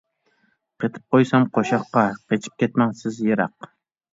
قېتىپ قويسام قوشاققا، قېچىپ كەتمەڭ سىز يىراق.